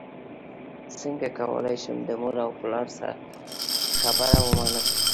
څنګه کولی شم د مور او پلار خبره ومنم